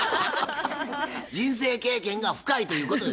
人生経験が深いということで。